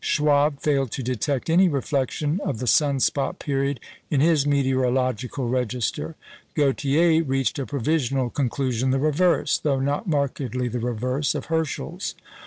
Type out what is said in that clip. Schwabe failed to detect any reflection of the sun spot period in his meteorological register. Gautier reached a provisional conclusion the reverse though not markedly the reverse of Herschel's.